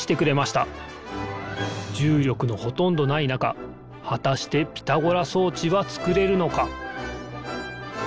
じゅうりょくのほとんどないなかはたしてピタゴラ装置はつくれるのか？